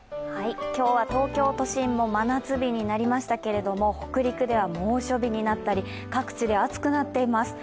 今日は東京都心も真夏日になりましたけれども北陸では猛暑日になったり各地で暑くなっています。